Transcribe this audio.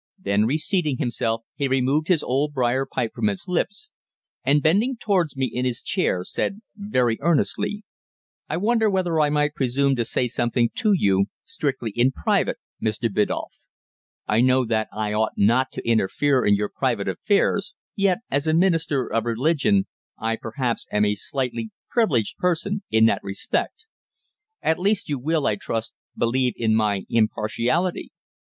Then, re seating himself, he removed his old briar pipe from his lips, and, bending towards me in his chair, said very earnestly "I wonder whether I might presume to say something to you strictly in private, Mr. Biddulph? I know that I ought not to interfere in your private affairs yet, as a minister of religion, I perhaps am a slightly privileged person in that respect. At least you will, I trust, believe in my impartiality."